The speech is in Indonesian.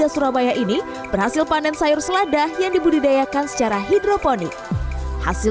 surabaya ini berhasil panen sayur selada yang dibudidayakan secara hidroponik hasil